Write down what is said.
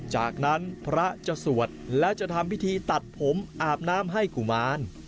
จากนั้นพระจะสวดและจะทำพิธีตัดผมอาบน้ำให้กุมาร